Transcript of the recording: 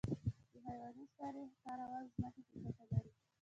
د حیواني سرې کارول ځمکې ته ګټه لري